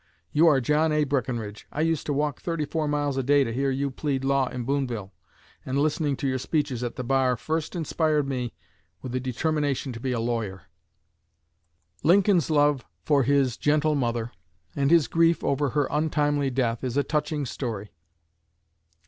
You are John A. Breckenridge. I used to walk thirty four miles a day to hear you plead law in Booneville, and listening to your speeches at the bar first inspired me with the determination to be a lawyer.'" Lincoln's love for his gentle mother, and his grief over her untimely death, is a touching story.